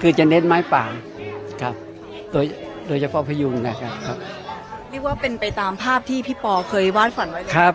คือจะเน็ตไม้ป่าโดยเฉพาะพยุงนะครับ